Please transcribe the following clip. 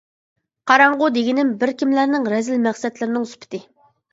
قاراڭغۇ دېگىنىم بىر كىملەرنىڭ رەزىل مەقسەتلىرىنىڭ سۈپىتى.